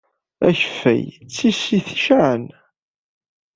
Akeffay d tissit icaɛen.